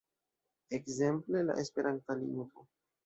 Ekzemple, la esperanta lingvo.